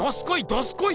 どすこい！